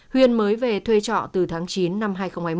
huyền mới về thuê trọ từ tháng chín năm hai nghìn hai mươi một